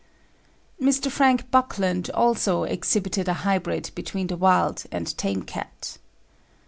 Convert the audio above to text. Mr. Frank Buckland also exhibited a hybrid between the wild and tame cat.